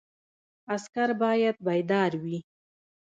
عسکر باید بیدار وي